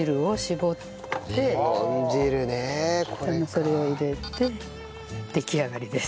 それを入れて出来上がりです。